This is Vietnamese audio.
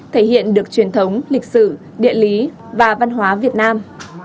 thể hiện được truyền thống lịch sử địa lý và văn hóa việt nam